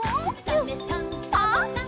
「サメさんサバさん」